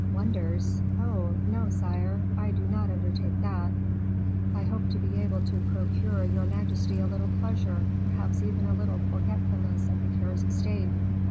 "Wonders? Oh! no, sire. I do not undertake that. I hope to be able to procure your majesty a little pleasure, perhaps even a little forgetfulness of the cares of state."